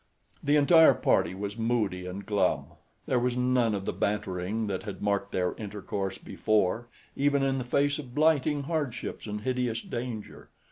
The entire party was moody and glum. There was none of the bantering that had marked their intercourse before, even in the face of blighting hardships and hideous danger.